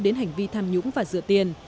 đến hành vi tham nhũng và rửa tiền